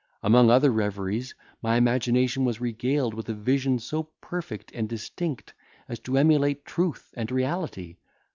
Among other reveries, my imagination was regaled with a vision so perfect and distinct, as to emulate truth and reality.